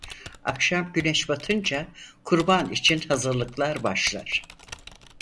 Akşam güneş batınca kurban için hazırlıklar başlar.